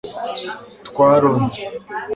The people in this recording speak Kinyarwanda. twaronse